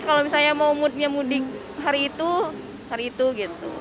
kalau misalnya mau moodnya mudik hari itu hari itu gitu